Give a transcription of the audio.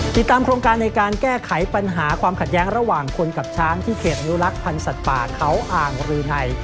ติดตามโครงการในการแก้ไขปัญหาความขัดแย้งระหว่างคนกับช้างที่เขตอนุรักษ์พันธ์สัตว์ป่าเขาอ่างรืนัย